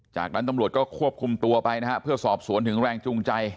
จากนั้นตำรวจก็ควบคุมตัวไปนะฮะเพื่อสอบสวนถึงแรงจูงใจ